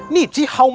ini tidak baik